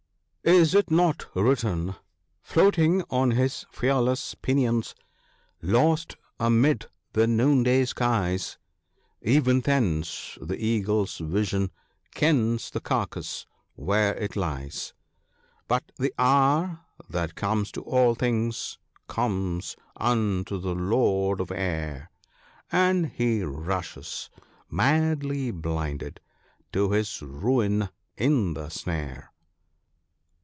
Is it not written, —" Floating on his fearless pinions, lost amid the noonday skies, Even thence the Eagle's vision kens the carcase where it lies ; But the hour that comes to all things comes unto the Lord of Air, And he rushes, madly blinded, to his ruin in the snare.